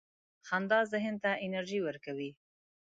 • خندا ذهن ته انرژي ورکوي.